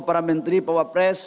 para menteri pak wapres